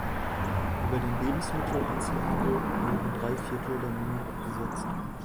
Über den Lebensmitteleinzelhandel wurden drei Viertel der Menge abgesetzt.